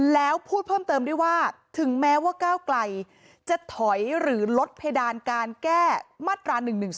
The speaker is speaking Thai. แล้วพูดเพิ่มเติมด้วยว่าถึงแม้ว่าก้าวไกลจะถอยหรือลดเพดานการแก้มาตรา๑๑๒